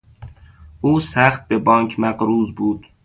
او سخت به بانک مقروض بود.